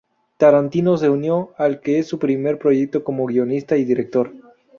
Tarantino se unió al que es su primer proyecto como guionista y director.